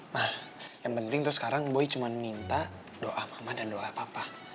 nah yang penting tuh sekarang boy cuma minta doa mama dan doa apa apa